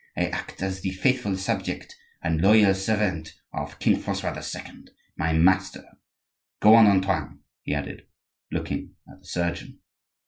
I act as the faithful subject and loyal servant of king Francois II., my master. Go on, Antoine," he added, looking at the surgeon.